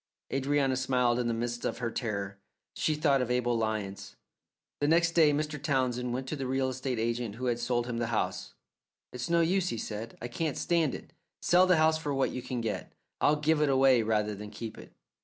Adrianna smiled in the midst of her terror. She thought of Abel Lyons. The next day Mr. Townsend went to the real estate agent who had sold him the house. "It's no use," he said, "I can't stand it. Sell the house for what you can get. I'll give it away rather than keep it."